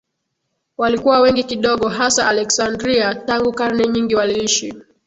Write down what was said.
walikuwa wengi kidogo Hasa Aleksandria tangu karne nyingi waliishi